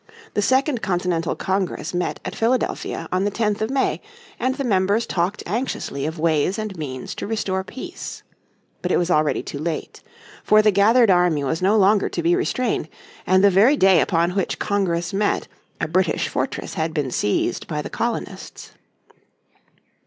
The second Continental Congress met at Philadelphia on the 10th of May and the members talked anxiously of ways and means to restore peace. But it was already too late. For the gathered army was no longer to be restrained, and the very day upon which Congress met a British fortress had been seized by the colonists.